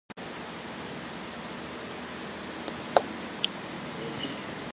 The Supreme Commander of the Korean Armed Forces is the President of Korea.